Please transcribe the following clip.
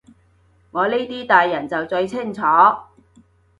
我呢啲大人就最清楚